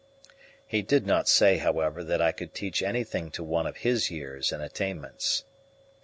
He did not say, however, that I could teach anything to one of his years and attainments.